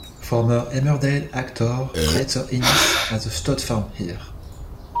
Former "Emmerdale" actor Frazer Hines has a stud farm here.